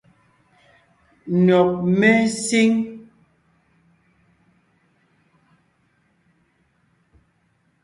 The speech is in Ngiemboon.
Nÿɔ́g mé síŋ.